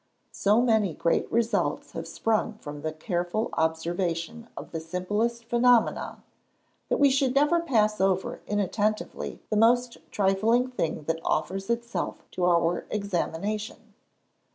So many great results have sprung from the careful observation of the simplest phenomena, that we should never pass over inattentively the most trifling thing that offers itself to our examination.